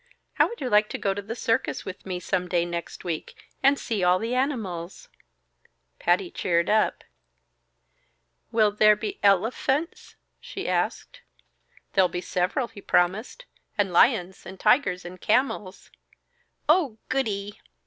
"How would you like to go to the circus with me some day next week, and see all the animals?" Patty cheered up. "Will there be ele phunts?" she asked. "There'll be several," he promised. "And lions and tigers and camels." "Oh, goody!"